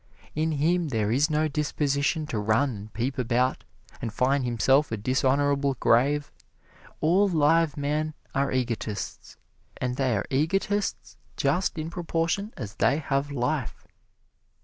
In him there is no disposition to run and peep about, and find himself a dishonorable grave. All live men are egotists, and they are egotists just in proportion as they have life.